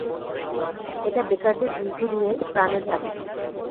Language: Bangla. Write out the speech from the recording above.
এটা বেকারদের দীর্ঘদিনেরপ্রাণের দাবি।